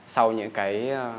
sau những cái